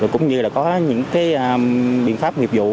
cũng như có những biện pháp nghiệp vụ